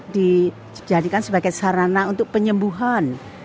dijadikan sebagai sarana untuk penyembuhan